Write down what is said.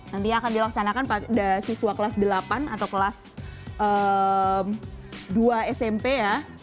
nantinya akan dilaksanakan pada siswa kelas delapan atau kelas dua smp ya